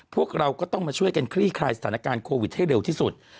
พวกเราก็ต้องมาช่วยกันคลี่คลายสถานการณ์โควิดให้เร็วที่สุด